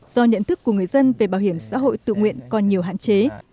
do nhận thức của người dân về bảo hiểm xã hội tự nguyện còn nhiều hạn chế